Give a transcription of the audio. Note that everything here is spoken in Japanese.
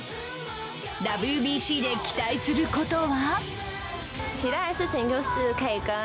ＷＢＣで期待することは？